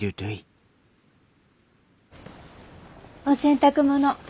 お洗濯物